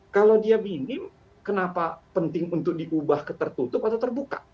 kalau dia minim kenapa penting untuk diubah ke tertutup atau terbuka